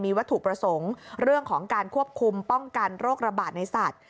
วัตถุประสงค์เรื่องของการควบคุมป้องกันโรคระบาดในสัตว์